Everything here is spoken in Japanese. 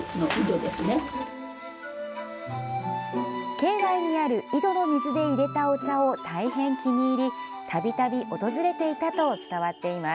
境内にある井戸の水でいれたお茶を大変気に入り度々、訪れていたと伝わっています。